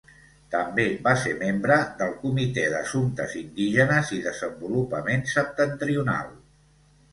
També va ser membre del comitè d'assumptes indígenes i desenvolupament septentrional.